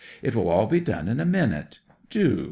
It will all be done in a minute. Do!